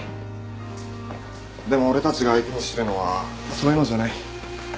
でも俺たちが相手にしてるのはそういうのじゃない。